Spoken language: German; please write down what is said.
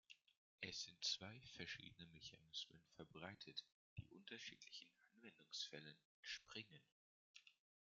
Es sind zwei verschiedene Mechanismen verbreitet, die unterschiedlichen Anwendungsfällen entspringen.